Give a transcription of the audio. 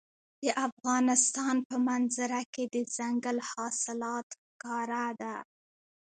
د افغانستان په منظره کې دځنګل حاصلات ښکاره ده.